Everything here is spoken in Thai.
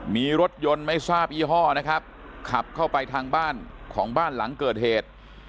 มีรถยนต์ไม่ทราบยี่ห้อนะครับขับเข้าไปทางบ้านของบ้านหลังเกิดเหตุ